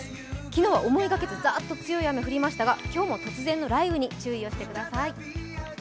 昨日は思いがけずざーっと強い雨が降りましたが、今日も突然の雷雨に注意をしてください。